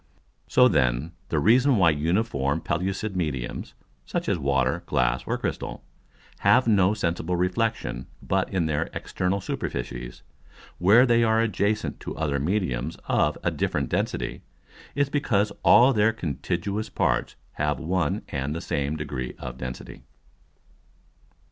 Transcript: So then the reason why uniform pellucid Mediums (such as Water, Glass, or Crystal,) have no sensible Reflexion but in their external Superficies, where they are adjacent to other Mediums of a different density, is because all their contiguous parts have one and the same degree of density.